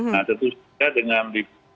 nah tentu saja dengan di